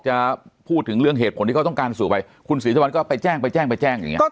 จะพูดถึงเรื่องเหตุผลที่เขาต้องการสู่ไปคุณศรีสุวรรณก็ไปแจ้งไปแจ้งไปแจ้งอย่างนี้